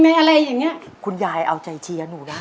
อะไรอย่างเงี้ยคุณยายเอาใจเชียร์หนูนะ